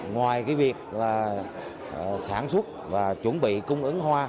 ngoài việc sản xuất và chuẩn bị cung ứng hoa